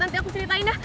nanti aku ceritain ya